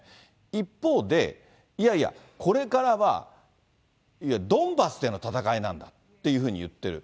一方で、いやいや、これからはドンバスでの戦いなんだというふうに言っている。